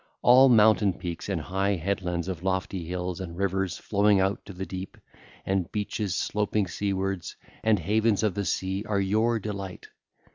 All mountain peaks and high headlands of lofty hills and rivers flowing out to the deep and beaches sloping seawards and havens of the sea are your delight.